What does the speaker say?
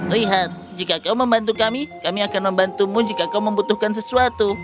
lihat jika kau membantu kami kami akan membantumu jika kau membutuhkan sesuatu